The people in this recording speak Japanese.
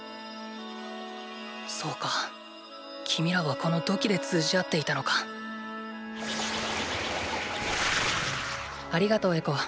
そうか君らはこの土器で通じ合っていたのかありがとうエコ。